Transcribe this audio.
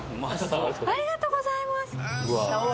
ありがとうございます！